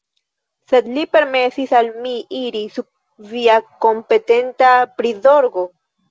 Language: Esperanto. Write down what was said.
Sed li permesis al mi iri sub via kompetenta prizorgo.